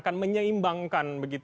paminal itu dibawah intel camp